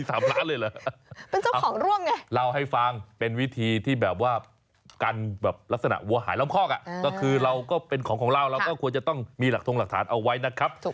ซัลฟี่กับรัตเตอรี่เลยนี่อย่างนี้